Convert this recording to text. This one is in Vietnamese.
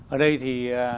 ở đây thì